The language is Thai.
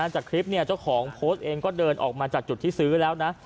จากคลิปเจ้าของโพสต์เองก็เดินออกมาจากจุดที่ซื้อแล้วนะ